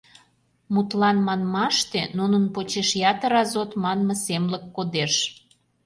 Мутлан манмаште, нунын почеш ятыр азот манме семлык кодеш.